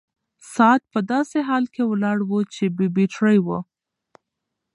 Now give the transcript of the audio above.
ساعت په داسې حال کې ولاړ و چې بې بيټرۍ و.